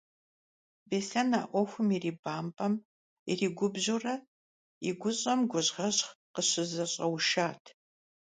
Беслъэн а ӏуэхум ирибампӀэм, иригубжьурэ, и гущӀэм гужьгъэжь къыщызэщӀэушат.